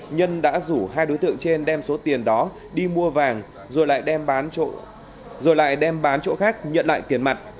nhân đã rủ hai đối tượng trên đem số tiền đó đi mua vàng rồi lại đem bán chỗ khác nhận lại tiền mặt